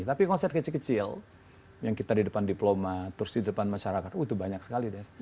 tapi konsep kecil kecil yang kita di depan diplomat terus di depan masyarakat itu banyak sekali des